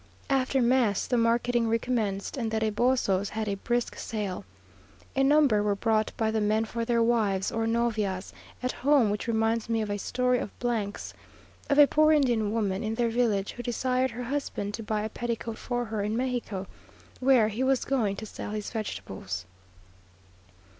After mass, the marketing recommenced, and the rebosos had a brisk sale. A number were bought by the men for their wives, or novias, at home; which reminds me of a story of 's of a poor Indian woman in their village, who desired her husband to buy a petticoat for her in Mexico, where he was going to sell his vegetables.